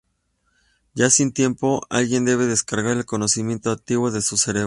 Ya sin tiempo, alguien debe descargar el conocimiento Antiguo en su cerebro.